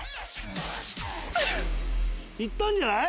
いったんじゃない？